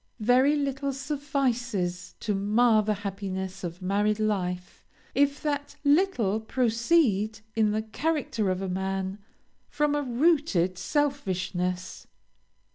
Very little suffices to mar the happiness of married life, if that little proceed in the character of a man, from a rooted selfishness.